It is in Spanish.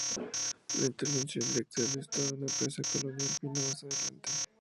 La intervención directa del Estado en la empresa colonial vino más adelante.